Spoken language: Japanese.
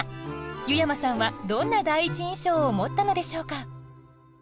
湯山さんはどんな第一印象を持ったのでしょうか